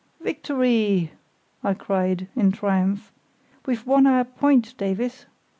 "Victory!" I cried, in triumph. "We've won our point, Davies.